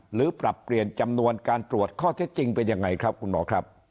หรือปรับเปลี่ยนจำนวนการตรวจข้อเท็จจริงเป็นยังไงครับคุณหมอครับ